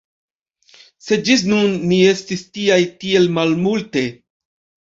Sed ĝis nun ni estis tiaj tiel malmulte.